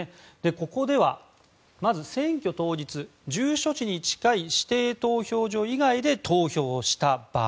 ここでは、まず選挙当日住所地に近い指定投票所以外で投票をした場合。